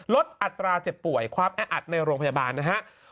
ลดอัตราเจ็บป่วยความแอดในโรงพยาบาลนะครับ